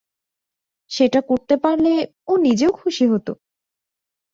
সেটা করতে পারলে, ও নিজেও খুশি হতো।